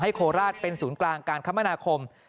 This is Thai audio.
โคราชเป็นศูนย์กลางการคมนาคม